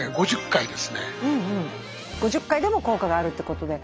５０回でも効果があるってことで。